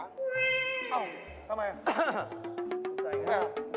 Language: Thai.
อ้าวทำไม